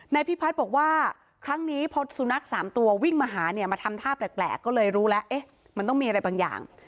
พี่พัฒน์บอกว่าครั้งนี้พอสุนัข๓ตัววิ่งมาหาเนี่ยมาทำท่าแปลกก็เลยรู้แล้วเอ๊ะมันต้องมีอะไรบางอย่าง